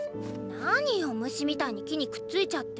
何よ虫みたいに木にくっついちゃって。